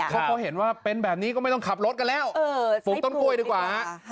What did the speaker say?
เพราะเขาเห็นว่าเป็นแบบนี้ก็ไม่ต้องขับรถกันแล้วปลูกต้นกล้วยดีกว่า